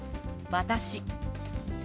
「私」。